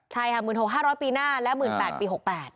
ใช่ค่ะ๑๖๐๕๐๐ปีหน้าและ๑๘๐๐ปี๖๘